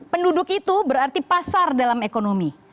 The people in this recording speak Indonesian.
penduduk itu berarti pasar dalam ekonomi